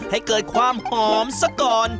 ให้เกิดความหอมซะก่อน